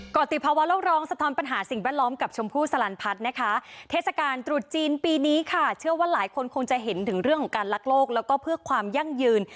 กรติภาวะโลกร้องสะท้อนปัญหาสิ่งแวดล้อมกับชมพู่สลันพัฒน์นะคะเทศกาลตรุษจีนปีนี้ค่ะเชื่อว่าหลายคนคงจะเห็นถึงเรื่องของการลักโลกแล้วก็เพื่อความยั่งยืน